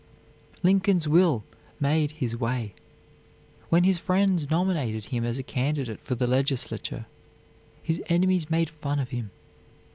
Lincoln's will made his way. When his friends nominated him as a candidate for the legislature, his enemies made fun of him.